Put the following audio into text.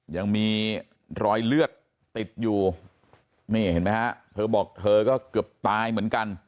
ยังมีรอยเลือดติดอยู่นี่เห็นไหมฮะเธอบอกเธอก็เกือบตายเหมือนกัน